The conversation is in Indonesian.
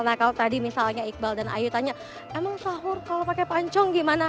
nah kalau tadi misalnya iqbal dan ayu tanya emang sahur kalau pakai pancong gimana